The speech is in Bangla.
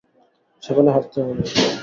সকালে হাটতে হবে!